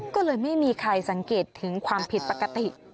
ก็เลยไม่มีใครสังเกตถึงความผิดปกติ